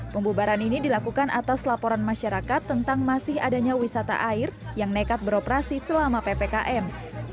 pembubaran ini dilakukan atas laporan masyarakat tentang masih adanya wisata air yang nekat beroperasi selama ppkm